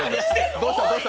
どうした？